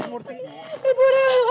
ibu lepasin anaknya